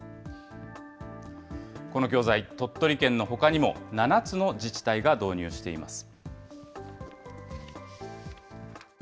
この教材、鳥取県のほかにも、７つの自治体が導入しています。